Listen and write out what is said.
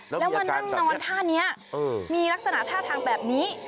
แล้วมานั่งนอนท่านี้มีลักษณะท่าทางแบบนี้